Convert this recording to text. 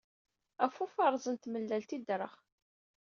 Af ufaṛeẓ n tmellalt i ddreɣ.